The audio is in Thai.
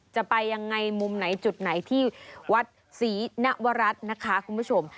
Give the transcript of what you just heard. จะไปยังไงมุมไหนจุดไหนที่วัดศรีนวรัฐนะคะคุณผู้ชม